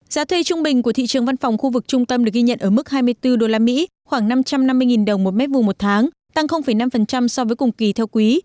giá thuê trung bình của thị trường văn phòng khu vực trung tâm được ghi nhận ở mức hai mươi bốn usd khoảng năm trăm năm mươi đồng một mét vùng một tháng tăng năm so với cùng kỳ theo quý